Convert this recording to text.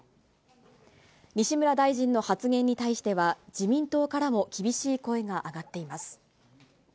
西村大臣の発言に対しては、自民党からも厳しい声が上がっています。